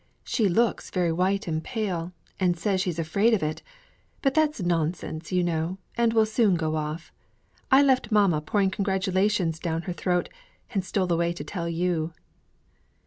She looks very white and pale, and says she's afraid of it; but that's nonsense, you know, and will soon go off. I left mamma pouring congratulations down her throat, and stole away to tell you."